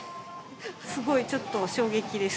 すごいちょっと衝撃です。